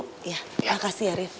terima kasih arief